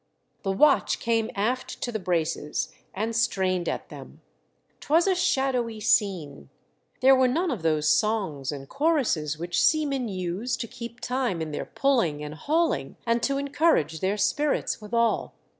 The watch came aft to the braces and strained at them. 'Twas a shadowy scene. There were none of those songs and choruses which seamen use to keep time in their pulling and hauling and to encourage their spirits withal.